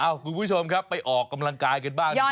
เอ้าคุณผู้ชมครับไปออกกำลังกายกันบ้างดีกว่า